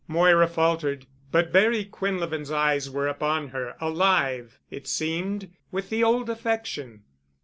Moira faltered. But Barry Quinlevin's eyes were upon her, alive, it seemed, with the old affection.